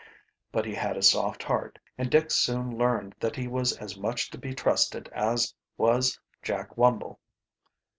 But he had a soft heart, and Dick soon learned that he was as much to be trusted as was Jack Wumble.